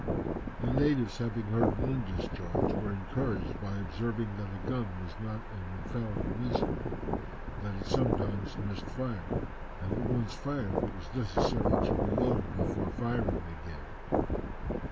The natives having heard one discharge, were encouraged by observing that a gun was not an infallible instrument, that it sometimes missed fire, and that once fired it was necessary to reload before firing again.